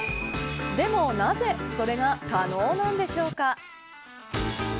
でも、なぜそれが可能なんでしょうか。